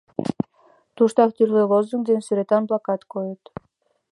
Туштак тӱрлӧ лозунг ден сӱретан плакат койыт.